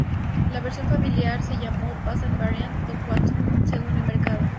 La versión familiar se llamó "Passat Variant" o "Quantum", según el mercado.